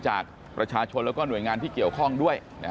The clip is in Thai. จากประชาชนแล้วก็หน่วยงานที่เกี่ยวข้องด้วย